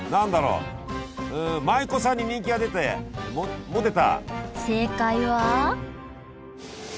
うん舞妓さんに人気が出てモテた。